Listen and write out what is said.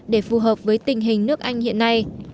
để phù hợp với tình hình nước anh hiện nay